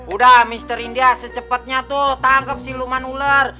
udah mister india secepetnya tuh tangkep siluman ular